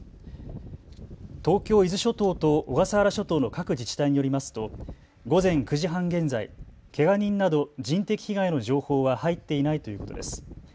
東京伊豆諸島と小笠原諸島の各自治体によりますと午前９時半現在、けが人など人的被害の情報は入っていないということです。